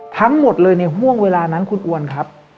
ทั้งหมดเลยในห่วงเวลานั้นคุณอวนครับ